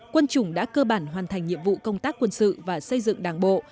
quân chủng đã cơ bản hoàn thành nhiệm vụ công tác quân sự và xây dựng đảng bộ